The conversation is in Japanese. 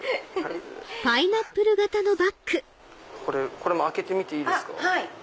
これも開けてみていいですか？